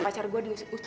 pacar gue di uzbekistan